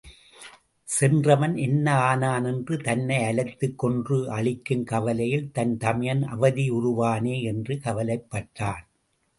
சென்றவன் என்ன ஆனான் என்று தன்னை அலைத்துக் கொன்று அழிக்கும் கவலையில் தன் தமையன் அவதியுறுவானே என்று கவலைப்பட்டான்.